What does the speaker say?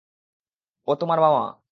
ও তোমার মামা।